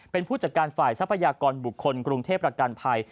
เป็นผู้จัดการฝ่ายทรัพยากรบุคคลกรุงเทพประกันภัย